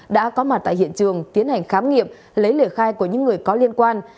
đã có mặt tại hiện trường tiến hành khám nghiệm lấy lời khai của những người có liên quan